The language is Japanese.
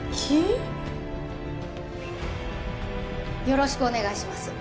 よろしくお願いします